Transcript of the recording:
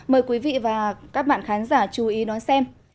mời quý vị và các bạn khán giả chú ý đón xem